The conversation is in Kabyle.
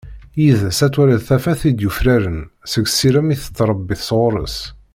Yid-s ad twaliḍ tafat i d-yufraren, seg sirem i tettrebbi s ɣur-s.